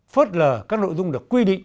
phớt lờ các nội dung được quy định